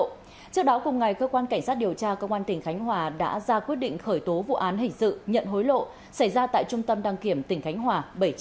trước đó cùng ngày cơ quan cảnh sát điều tra công an tỉnh khánh hòa đã ra quyết định khởi tố vụ án hình dự nhận hối lộ xảy ra tại trung tâm đăng kiểm tỉnh khánh hòa bảy nghìn chín trăm linh một